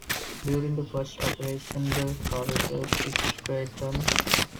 During the first operation the curvature is straightened.